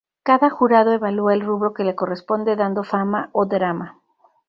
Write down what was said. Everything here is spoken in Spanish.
Cada jurado evalúa el rubro que le corresponde dando Fama o Drama.